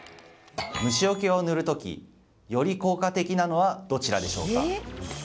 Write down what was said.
虫よけを塗る時より効果的なのはどちらでしょうか。